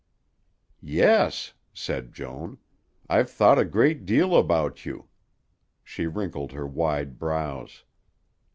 "Yes," said Joan; "I've thought a great deal about you." She wrinkled her wide brows.